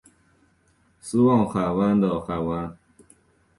斯旺西海湾的海湾。